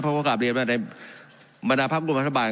เพราะว่ากลับเรียบนะในบรรดาภัพรุนประธรรมบาล